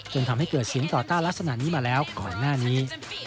จนทำให้เกิดสินต่อต้านลักษณะนี้มาแล้วก่อนหน้านี้